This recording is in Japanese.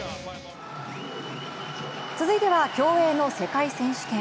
続いては競泳の世界選手権。